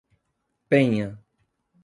Penha